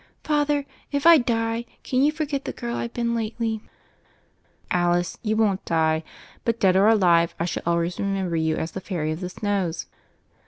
"Father, if I die, can you forget the girl I've been lately ?" "Alice — ^you won't die — ^but dead or alive I shall always remember you as the *Fairy of the Snows'."